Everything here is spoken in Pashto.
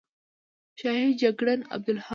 شهید جگړن عبدالحق،